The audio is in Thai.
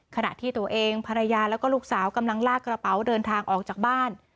ขณะที่ตัวเองภรรยาแล้วก็ลูกสาวกำลังลากกระเป๋าเดินทางออกจากบ้าน